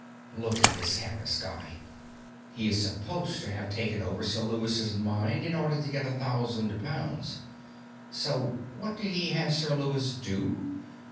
Look at this Harris guy; he is supposed to have taken over Sir Lewis's mind in order to get a thousand pounds. So what did he have Sir Lewis do?